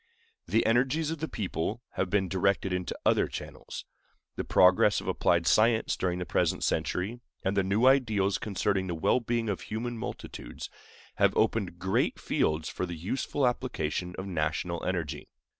The energies of the people have been directed into other channels. The progress of applied science during the present century, and the new ideals concerning the well being of human multitudes, have opened great fields for the useful application of national energy.